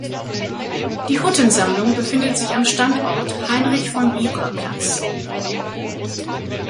Die Hutten-Sammlung befindet sich am Standort Heinrich-von-Bibra-Platz.